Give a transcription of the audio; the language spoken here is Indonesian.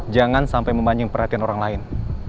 jangan sampai membanjing perhatian orang lain